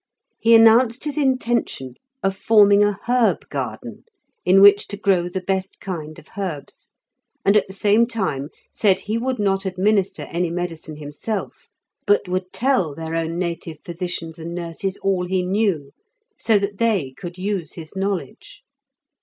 He announced his intention of forming a herb garden in which to grow the best kind of herbs, and at the same time said he would not administer any medicine himself, but would tell their own native physicians and nurses all he knew, so that they could use his knowledge.